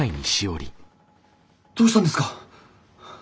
どうしたんですか？